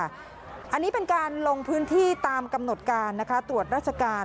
อันนี้เป็นการลงพื้นที่ตามกำหนดการตรวจราชการ